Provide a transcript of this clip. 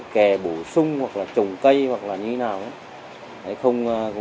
kè bổ sung hoặc trồng cây hoặc như thế nào